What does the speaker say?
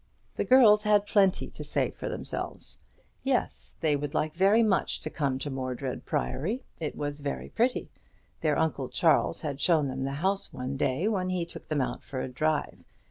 The girls had plenty to say for themselves. Yes; they would like very much to come to Mordred Priory; it was very pretty; their Uncle Charles had shown them the house one day when he took them out for a drive.